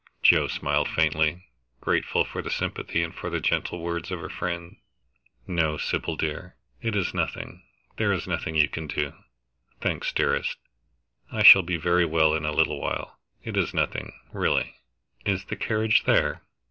Joe smiled faintly, grateful for the sympathy and for the gentle words of her friend. "No, Sybil dear. It is nothing there is nothing you can do. Thanks, dearest I shall be very well in a little while. It is nothing, really. Is the carriage there?"